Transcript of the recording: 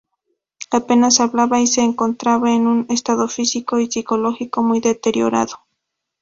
Apenas hablaba y se encontraba en un estado físico y psicológico muy deteriorado.